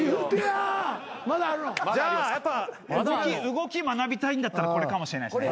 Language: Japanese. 動き学びたいんだったらこれかもしれないですね。